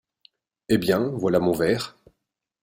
Eh bien, voilà mon ver !…